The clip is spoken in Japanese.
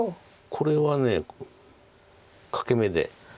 これは欠け眼で。